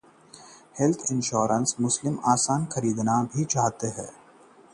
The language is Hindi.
हेल्थ इंश्योरेंस प्लान जरूरी, अब खरीदना भी हुआ बेहद आसान